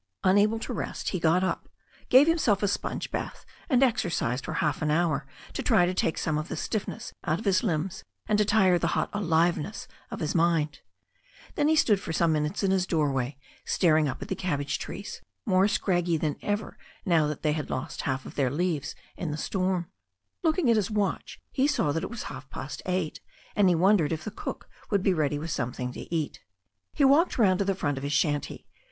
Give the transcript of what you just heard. Unable to rest, he got up, gave himself a sponge bath, and exercised for half an hour to try to take some of the stiffness out of his limbs, and to tire the hot aliveness of his mind. Then he stood for some minutes in his doorway, staring up at the cabbage trees, more scraggy than ever now that they had lost half their long leaves in the storm. i8o THE STORY OF A NEW ZEALAND RIVER i8i Looking at his watch^ he saw that it was half past eight, and he wondered li the cook would be ready with something to eat. He walked round to the front of his shanty.